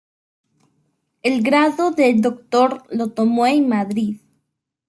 El grado de doctor lo tomó en Madrid.